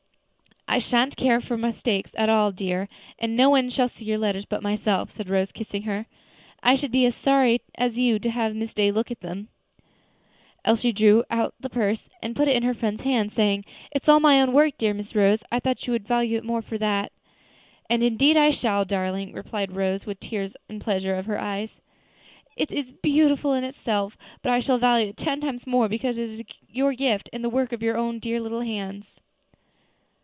"I sha'n't care for mistakes at all, dear, and no one shall see your letters but myself," said Rose, kissing her. "I should be as sorry as you to have Miss Day look at them." Elsie drew out the purse and put it in her friend's hand, saying: "It is all my own work, dear Miss Rose; I thought you would value it more for that." "And indeed I shall, darling," replied Rose, with tears of pleasure in her eyes. "It is beautiful in itself, but I shall value it ten times more because it is your gift, and the work of your own dear little hands."